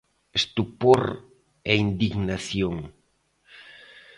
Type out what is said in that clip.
Estupor e indignación.